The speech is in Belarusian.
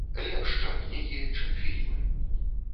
Лепш, чым кнігі, чым фільмы.